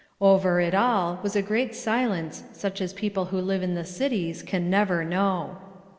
Over it all was a great silence such as people who live in the cities can never know.